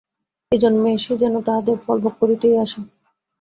এই জন্মে সে যেন তাহাদের ফলভোগ করিতেই আসে।